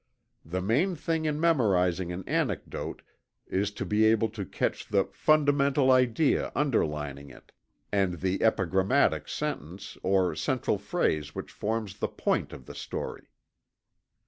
The main thing in memorizing an anecdote is to be able to catch the fundamental idea underlying it, and the epigrammatic sentence, or central phrase which forms the "point" of the story.